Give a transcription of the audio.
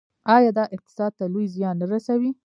آیا دا اقتصاد ته لوی زیان نه رسوي؟